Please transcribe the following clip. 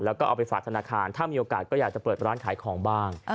แล้วก็เอาไปฝากธนาคารถ้ามีโอกาสก็อยากจะเปิดร้านขายของบ้าง